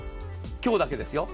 今日だけですよ。